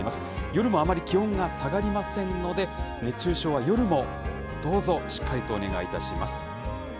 夜もあまり気温が下がりませんので、熱中症は夜も、どうぞしっかりとお願いいたします。